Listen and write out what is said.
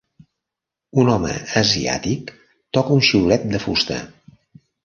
Un home asiàtic toca un xiulet de fusta.